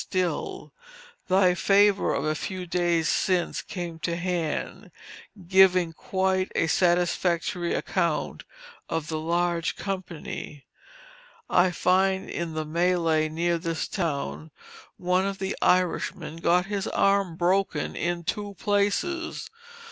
STILL: Thy favor of a few days since came to hand, giving quite a satisfactory account of the large company. I find in the melee near this town, one of the Irishmen got his arm broken in two places.